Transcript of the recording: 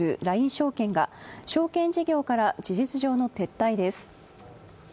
証券が証券事業から事実上の撤退です。